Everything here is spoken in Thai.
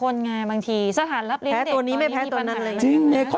เราไม่ปลูก